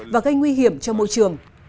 và gây nguy hiểm cho môi trường